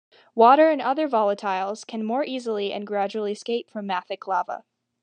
Water and other volatiles can more easily and gradually escape from mafic lava.